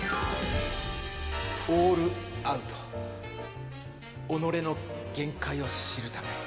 オールアウト己の限界を知るため。